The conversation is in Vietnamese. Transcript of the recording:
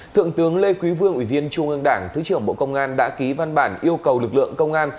thượng tướng lê quý vương ủy viên trung ương đảng thứ trưởng bộ công an đã ký văn bản yêu cầu lực lượng công an